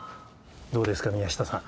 どうですか宮下さん。